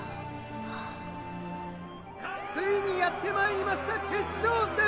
ついにやってまいりました決勝戦！